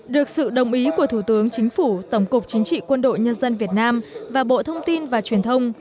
được sự đồng ý của thủ tướng chính phủ tổng cục chính trị quân đội nhân dân việt nam và bộ thông tin và truyền thông